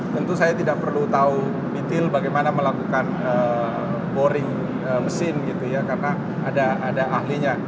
tentu saya tidak perlu tahu detail bagaimana melakukan boring mesin gitu ya karena ada ahlinya